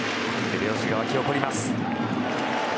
手拍子が沸き起こります。